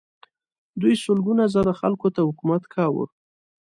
دوی سلګونه زره خلکو ته حکومت کاوه.